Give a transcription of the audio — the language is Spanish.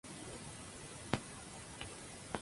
Era sans serif y no tenía letras mayúsculas.